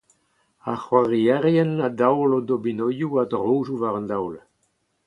Ar c'hoarierien a daol o dominoioù a-drojoù war an daol.